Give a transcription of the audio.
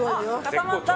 固まった！